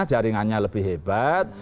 jaringannya lebih hebat